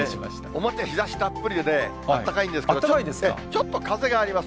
表、日ざしたっぷりで、あったかいんですけど、ちょっと風があります。